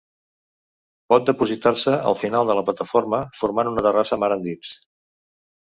Pot depositar-se al final de la plataforma, formant una terrassa mar endins.